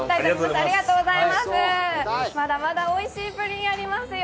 まだまだおいしいプリンありますよ。